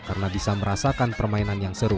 karena bisa merasakan permainan yang seru